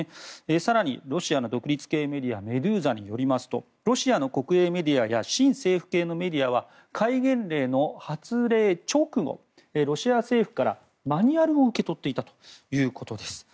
更に、ロシアの独立系メディアメドゥーザによりますとロシアの国営メディアや親政府系のメディアは戒厳令の発令直後ロシア政府からマニュアルを受け取っていたということです。